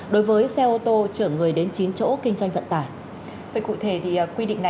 đối với xe ô tô trở người đến chín chỗ kinh doanh vận tải